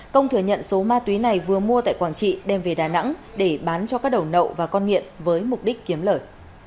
công thừa nhận số ma túy này vừa mua tại quảng trị đem về đà nẵng để bán cho các đầu nậu và con nghiện với mục đích kiếm lời